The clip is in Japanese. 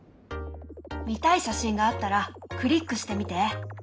見たい写真があったらクリックしてみて。